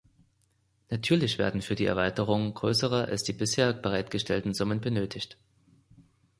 Natürlich werden für die Erweiterung größere als die bisher bereitgestellten Summen benötigt.